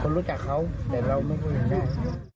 คนรู้จักเขาแต่เราไม่รู้อย่างนั้น